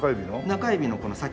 中指のこの先。